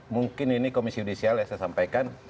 mungkin ini komisi judisial yang saya sampaikan